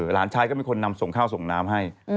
หลานชายก็มีคนนำส่งข้าวส่งน้ำให้